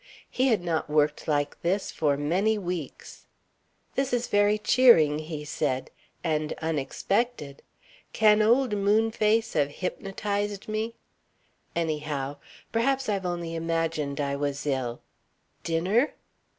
He had not worked like this for many weeks. "This is very cheering," he said. "And unexpected. Can old Moon face have hypnotized me? Anyhow ... Perhaps I've only imagined I was ill.... Dinner?"